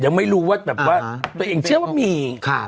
ยังไม่รู้ปะตัวเองเชื่อว่ามี